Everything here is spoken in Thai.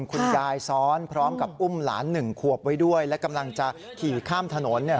คุณยายซ้อนพร้อมกับอุ้มหลานหนึ่งขวบไว้ด้วยและกำลังจะขี่ข้ามถนนเนี่ย